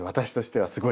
はい。